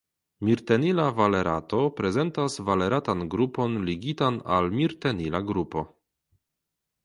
Mirtenila valerato prezentas valeratan grupon ligitan al mirtenila grupo.